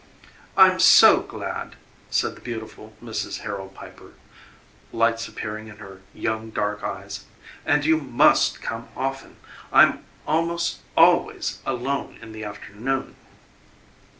"I'm SO glad," said the beautiful Mrs. Harold Piper, lights appearing in her young, dark eyes; "and you MUST come often. I'm almost ALWAYS alone in the afternoon."